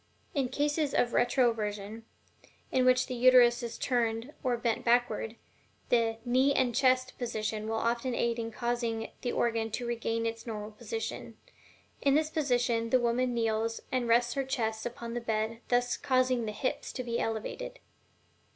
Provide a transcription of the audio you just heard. In cases of RETROVERSION, in which the Uterus is turned or bent backward, the "knee and chest" position will often aid in causing the organ to regain its normal position. In this position the woman kneels, and rests her chest upon the bed, thus causing the hips to be elevated.